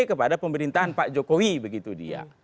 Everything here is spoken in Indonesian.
kepada pemerintahan pak jokowi begitu dia